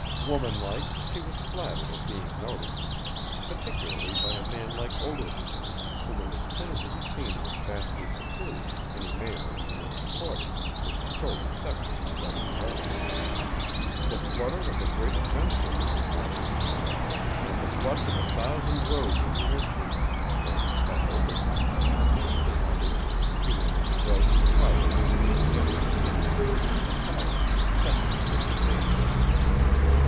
Womanlike, she was flattered at being noticed particularly by a man like Ogilvy, whom it was plain to be seen was vastly superior to any male even in Sequoia, with the sole exception of Bryce Cardigan. The flutter of a great adventure was in Moira's heart, and the flush of a thousand roses in her cheeks when, Buck Ogilvy having at length departed, she went into Bryce's private office to get his opinion as to the propriety of accepting the invitation.